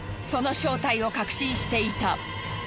その正体を確信していた。